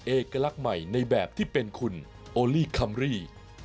เอกลักษณ์ใหม่ในแบบที่เป็นคุณโอลี่คัมรี่